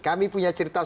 kami punya cerita lagi